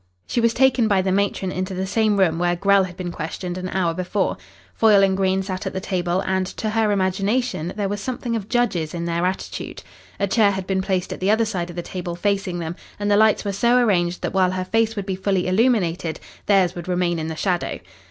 She was taken by the matron into the same room where Grell had been questioned an hour before. Foyle and Green sat at the table and, to her imagination, there was something of judges in their attitude. A chair had been placed at the other side of the table facing them, and the lights were so arranged that while her face would be fully illuminated, theirs would remain in the shadow.